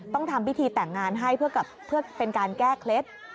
ทำพิธีแต่งงานให้เพื่อเป็นการแก้เคล็ด